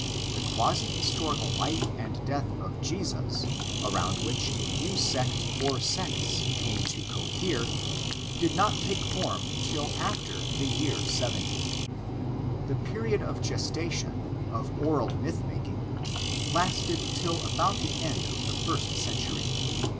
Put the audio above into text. The quasi historical life and death of Jesus, around which a new sect or sects came to cohere, did not take form till after the year 70. The period of gestation—of oral myth making—lasted till about the end of the first century.